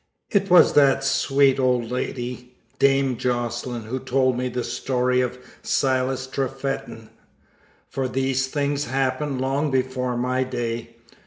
It was that sweet old lady, Dame Jocelyn, who told me the story of Silas Trefethen; for these things happened long before my day.